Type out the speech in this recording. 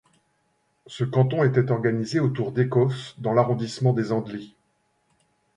Ce canton était organisé autour d'Écos dans l'arrondissement des Andelys.